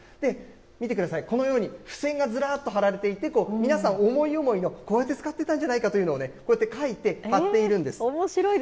見てください、このように、付箋がずらっと貼られていて、皆さん、思い思いの、こうやって使ってたんじゃないかっていうのをこうやって書いて貼っているんです。